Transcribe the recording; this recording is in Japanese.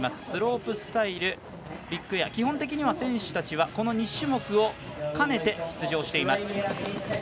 スロープスタイル、ビッグエア基本的には選手たちはこの２種目を兼ねて出場しています。